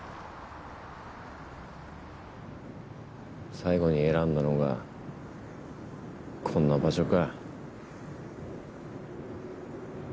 最期に選んだのがこんな場所か。